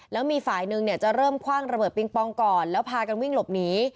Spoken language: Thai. แล้วมีฝ่ายหนึ่งเนี่ยจะเริ่มคว่างระเบิดปิงปองก่อนแล้วพากันวิ่งหลบหนี